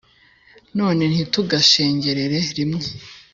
none ntitugashengerere rimwe